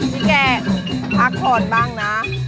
พี่แกพักผ่อนบ้างนะ